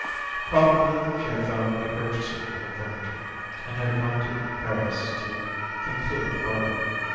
Probably she had found a purchaser for her furniture, and she had gone to Paris to conclude the bargain.